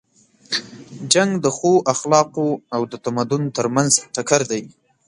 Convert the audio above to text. جنګ د ښو اخلاقو او د تمدن تر منځ ټکر دی.